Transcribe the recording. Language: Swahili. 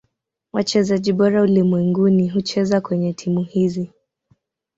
Wachezaji bora ulimwenguni hucheza kwenye timu hizi.